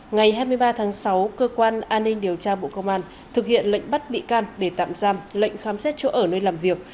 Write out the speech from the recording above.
ngày hai mươi ba tháng sáu cơ quan an ninh điều tra bộ công an thực hiện lệnh bắt bị can để tạm giam lệnh khám xét chỗ ở nơi làm việc